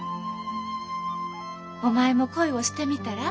お前も恋をしてみたら？